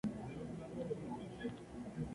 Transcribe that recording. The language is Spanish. Ahora es la Comisión Juvenil de Texas.